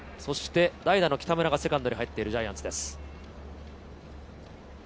代打の北村がセカンドに入っているジャイアンツです。